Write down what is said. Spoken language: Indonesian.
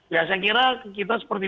ya saya kira kita seperti